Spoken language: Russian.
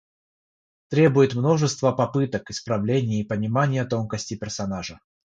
Требует множество попыток, исправлений и понимания тонкостей персонажа.